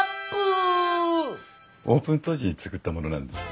オープン当時に作ったものなんです。